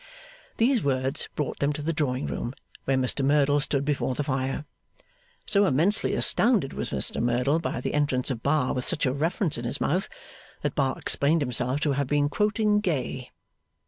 These words brought them to the drawing room, where Mr Merdle stood before the fire. So immensely astounded was Mr Merdle by the entrance of Bar with such a reference in his mouth, that Bar explained himself to have been quoting Gay.